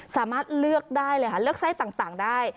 สามารถเลือกด้วยเหลือกไส้ต่างได้